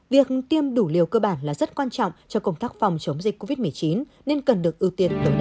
việc tiêm đủ liều cơ bản là rất quan trọng cho công tác phòng chống dịch covid một mươi chín nên cần được ưu tiên tối đa